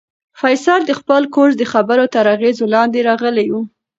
فیصل د خپل کورس د خبرو تر اغېز لاندې راغلی و.